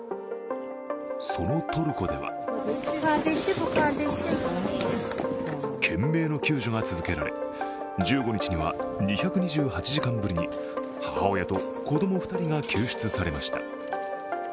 そのトルコでは懸命の救助が続けられ、１５日には２２８時間ぶりに母親と子供２人が救出されました。